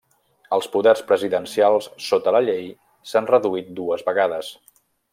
Els poders presidencials sota la llei s'han reduït dues vegades.